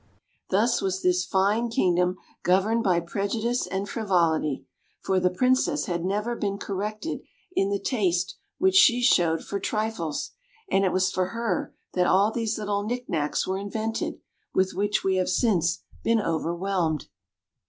Thus was this fine kingdom governed by prejudice and frivolity; for the Princess had never been corrected in the taste which she showed for trifles; and it was for her that all those little knickknacks were invented, with which we have since been overwhelmed.